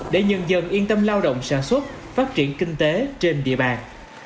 để nhân dân yên tâm lao động sản xuất phát triển kinh tế trên địa bàn